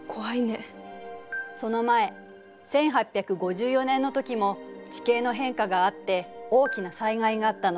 その前１８５４年の時も地形の変化があって大きな災害があったの。